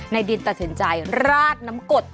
ในดินตัดสินใจราดน้ำกด